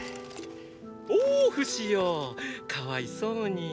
おおフシよかわいそうに。